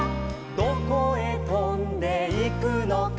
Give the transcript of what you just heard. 「どこへとんでいくのか」